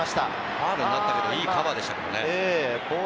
ファウルになったけど、いいカバーでしたけどね。